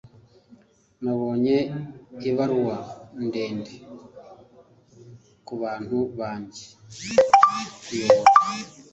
Nabonye ibaruwa ndende kubantu banjye. (_kuyobora)